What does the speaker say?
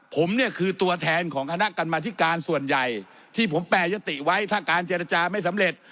ผมเนี่ยคือตัวแทนของคณะกรรมธิการส่วนใหญ่ที่ผมแปรยติไว้ถ้าการเจรจาไม่สำเร็จ